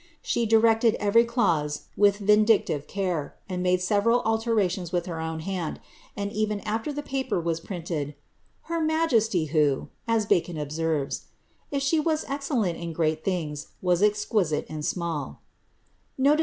She directed every clause with vindictive care, and made several alterations with her own hand; and even after the paper was printed, " her majesty, who," : was excellenl in greal things, was exquisite ii BLIXABSTH.